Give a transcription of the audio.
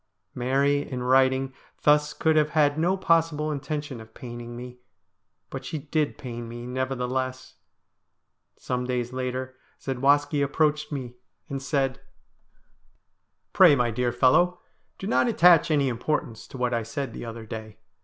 Mary in writing thus could have had no possible intention of paining me, but she did pain me, nevertheless. Some days later Zadwaski approached me and said :' Pray, my dear fellow, do not attach any importance to what I said the other day.